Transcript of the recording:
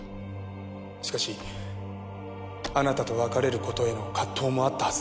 しかしあなたと別れる事への葛藤もあったはずです。